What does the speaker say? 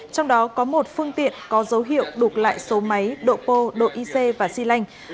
trong đó có một phương tiện có dấu hiệu đục lại số máy độ pô độ ic và xi lanh